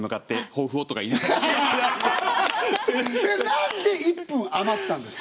何で１分余ったんですか？